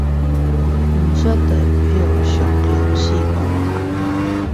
解析地表最強四巨頭